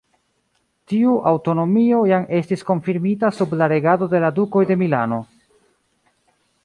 Tiu aŭtonomio jam estis konfirmita sub la regado de la Dukoj de Milano.